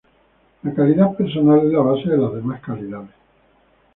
La calidad personal es la base de las demás calidades.